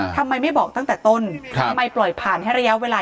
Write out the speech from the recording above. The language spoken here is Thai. ทำไมไม่บอกตั้งแต่ต้นทำไมปล่อยผ่านให้ระยะเวลา